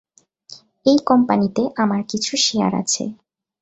এই কোম্পানিতে আমার কিছু শেয়ার আছে।